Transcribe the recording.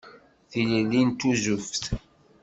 Tilelli n tuzzuft.